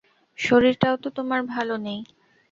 শরীরটাও তো তোমার ভালো নেই।